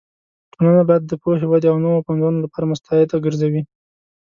ټولنه به د پوهې، ودې او نوو پنځونو لپاره مستعده ګرځوې.